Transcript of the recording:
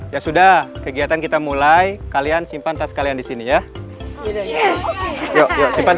ya sudah kegiatan kita mulai kalian simpan tas kalian di sini ya simpan